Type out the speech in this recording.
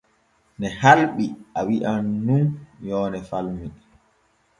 Ne halɓi a wi’an nun yoone falmi.